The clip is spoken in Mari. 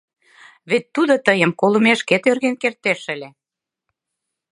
Вет тудо тыйым колымешкет ӧрген кертеш ыле.